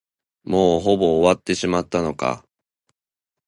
もうほぼ終わってしまったのか。